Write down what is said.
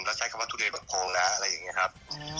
แล้วใช้คำว่าทุเรียนแบบพองนะอะไรอย่างนี้ครับ